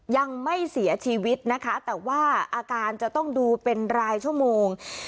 ยังไม่เสียชีวิตนะคะแต่ว่าอาการจะต้องดูเป็นรายชั่วโมง